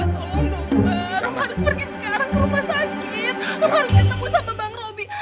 tolong ba saya harus pergi sekarang ke rumah sakit